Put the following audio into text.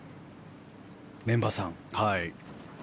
メンバーさん。